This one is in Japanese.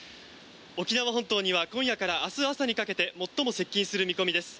沖縄本島には今夜から明日にかけて最も接近する見込みです。